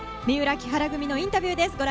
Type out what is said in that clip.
三浦・木原組のインタビューです。